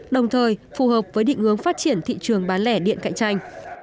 đồng thời phù hợp với định hướng phát triển thị trường bán lẻ điện cạnh tranh